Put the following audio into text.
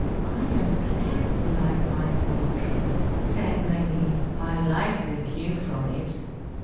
"I am glad you like my thorn tree," said Maggie. "I like the view from it.